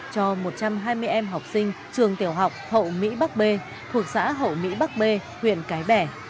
cho một trăm hai mươi em học sinh trường tiểu học hậu mỹ bắc bê thuộc xã hậu mỹ bắc bê huyện cái bẻ